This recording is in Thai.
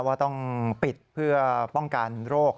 ว่าต้องปิดเพื่อป้องกันโรค